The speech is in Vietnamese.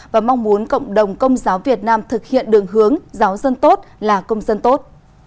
và mong muốn cộng đồng công giáo việt nam thực hiện đường hướng giáo dân tốt là công dân tốt